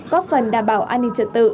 góp phần đảm bảo an ninh trật tự